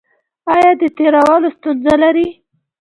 ایا د تیرولو ستونزه لرئ؟